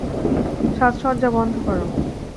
সাজসজ্জা বন্ধ করো!